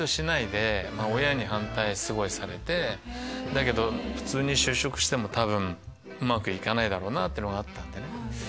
だけど普通に就職しても多分うまくいかないだろうなってのがあったんでね。